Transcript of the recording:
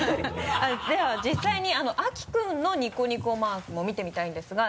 では実際に秋君のニコニコマークも見てみたいんですが。